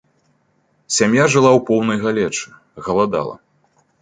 Сям'я жыла ў поўнай галечы, галадала.